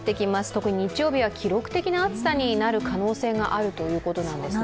特に日曜日は記録的な暑さになる可能性があるということなんです。